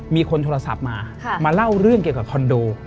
มีคนโทรศัพท์มามาเล่าเรื่องเกี่ยวกับคอนโด